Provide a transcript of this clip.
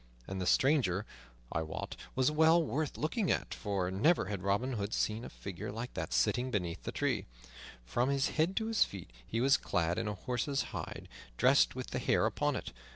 And the stranger, I wot, was well worth looking at, for never had Robin seen a figure like that sitting beneath the tree. From his head to his feet he was clad in a horse's hide, dressed with the hair upon it.